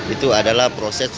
itu adalah proses